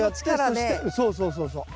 そうそうそうそう。